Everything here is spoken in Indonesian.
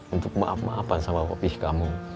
untuk memaafkan sama papih kamu